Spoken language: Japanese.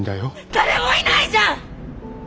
誰もいないじゃん！